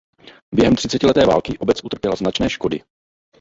Během třicetileté války obec utrpěla značné škody.